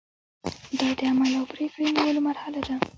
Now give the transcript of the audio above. دا د عمل او پریکړې نیولو مرحله ده.